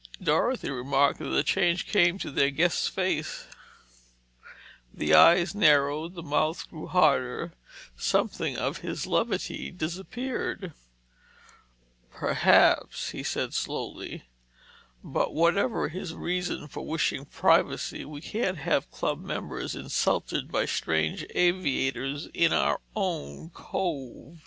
Dorothy remarked the change that came to their guest's face: the eyes narrowed, the mouth grew harder; something of his levity disappeared. "Perhaps," he said slowly. "But whatever his reason for wishing privacy, we can't have club members insulted by strange aviators in our own cove.